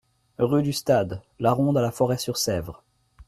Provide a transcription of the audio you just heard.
Rue du Stade . La Ronde à La Forêt-sur-Sèvre